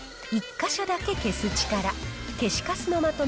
消す力、１か所だけ消す力。